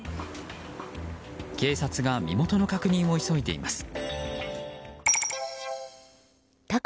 警察が身元の確認を急いでいます。